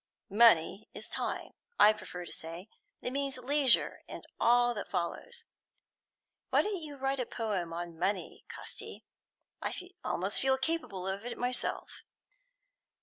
'Money is time,' I prefer to say; it means leisure, and all that follows. Why don't you write a poem on Money, Casti? I almost feel capable of it myself.